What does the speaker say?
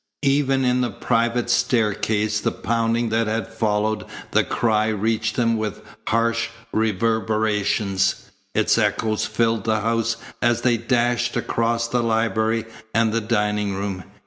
Even in the private staircase the pounding that had followed the cry reached them with harsh reverberations. Its echoes filled the house as they dashed across the library and the dining room.